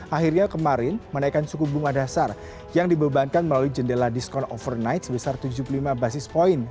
akhirnya kemarin menaikkan suku bunga dasar yang dibebankan melalui jendela diskon overnight sebesar tujuh puluh lima basis point